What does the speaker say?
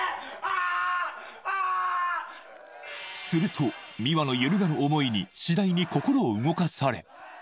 すると美和の揺るがぬ思いに次第に心を動かされ